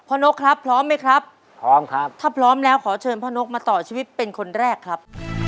นกครับพร้อมไหมครับพร้อมครับถ้าพร้อมแล้วขอเชิญพ่อนกมาต่อชีวิตเป็นคนแรกครับ